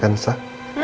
saya mau ke sekolahnya